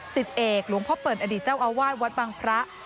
เอกหลวงพ่อเปิ่นอดีตเจ้าอาวาสวัดบางพระ